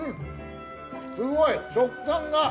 すごい食感が！